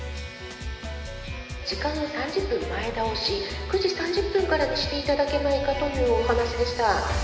時間を３０分前倒し９時３０分からにしていただけないかというお話でした。